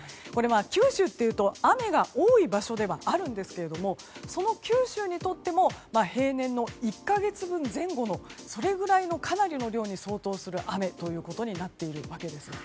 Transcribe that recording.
九州っていうと雨が多い場所ではあるんですけれどもその九州にとっても平年の１か月分前後のそれぐらいのかなりの量に相当する雨になっているわけです。